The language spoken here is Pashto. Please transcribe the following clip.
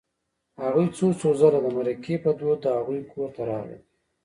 هغوی څو څو ځله د مرکې په دود د هغوی کور ته راغلل